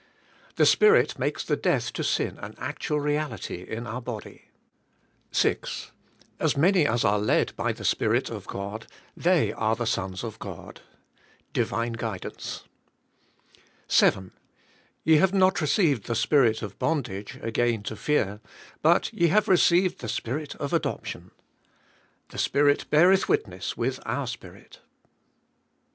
The Spirit makes the death to sin an actual reality in our body. 6. "As many as are led by the Spirit oi God they are the sons of God." Divine guidance. 7. " Ye have not received the spirit of bondage again to fear, but ye have received the Spirit of adoption," The Spirit beareth witness with our spirit.